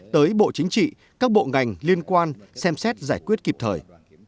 tới bộ chính trị các bộ ngành liên quan xem xét giải quyết kịp thời